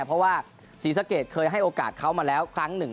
เพราะว่าศรีสะเกดเคยให้โอกาสเขามาแล้วครั้งหนึ่ง